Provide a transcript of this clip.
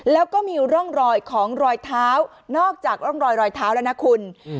แล้วก็มีร่องรอยของรอยเท้านอกจากร่องรอยรอยเท้าแล้วนะคุณ